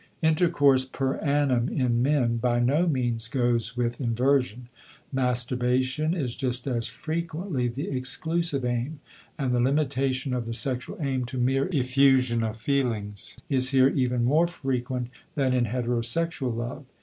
Intercourse per anum in men by no means goes with inversion; masturbation is just as frequently the exclusive aim; and the limitation of the sexual aim to mere effusion of feelings is here even more frequent than in hetero sexual love.